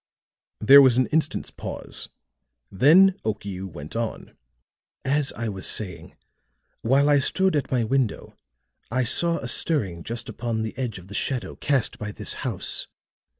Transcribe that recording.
There was an instant's pause, then Okiu went on: "As I was saying, while I stood at my window, I saw a stirring just upon the edge of the shadow cast by this house.